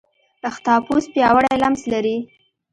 اختاپوس پیاوړی لمس لري.